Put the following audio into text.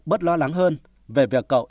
bớt lo lắng hơn về việc cậu